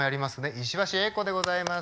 石橋英子でございます。